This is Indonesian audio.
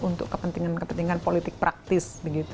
untuk kepentingan kepentingan politik praktis